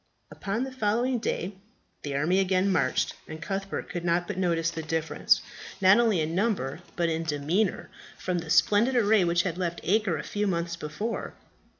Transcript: Upon the following day the army again marched, and Cuthbert could not but notice the difference, not only in number but in demeanour, from the splendid array which had left Acre a few months before.